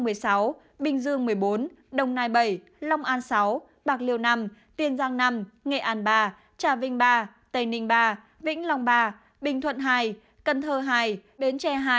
tại tp hcm bốn mươi hai an giang hai mươi hai kiên giang một mươi sáu bình dương một mươi bốn đồng nai bảy long an sáu bạc liêu năm tiên giang năm nghệ an ba trà vinh ba tây ninh ba vĩnh long ba bình thuận hai cần thơ hai bến tre hai